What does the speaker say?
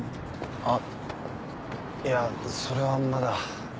あっいやそれはまだ。